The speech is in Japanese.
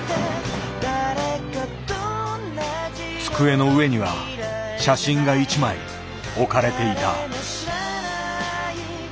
机の上には写真が一枚置かれていた。